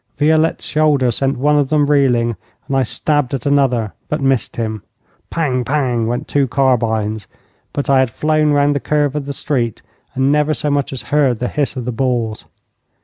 Violette's shoulder sent one of them reeling, and I stabbed at another but missed him. Pang, pang, went two carbines, but I had flown round the curve of the street, and never so much as heard the hiss of the balls.